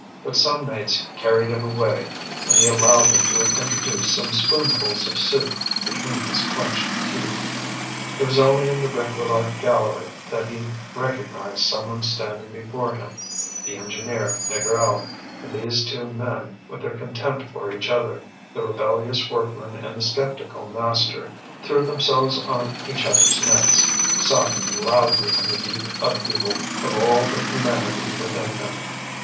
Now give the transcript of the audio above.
But some mates carried him away, and he allowed them to introduce some spoonfuls of soup between his clenched teeth. It was only in the Réquillart gallery that he recognized someone standing before him, the engineer, Négrel; and these two men, with their contempt for each other the rebellious workman and the sceptical master threw themselves on each other's necks, sobbing loudly in the deep upheaval of all the humanity within them.